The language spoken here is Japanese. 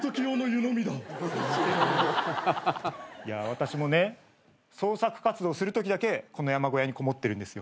いや私もね創作活動するときだけこの山小屋にこもってるんですよ。